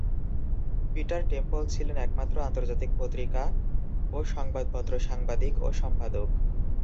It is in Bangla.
পিটার টেম্পল ছিলেন একজন আন্তর্জাতিক পত্রিকা ও সংবাদপত্র সাংবাদিক ও সম্পাদক।